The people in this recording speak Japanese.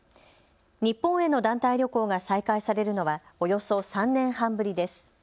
日本への団体旅行が再開されるのは、およそ３年半ぶりです。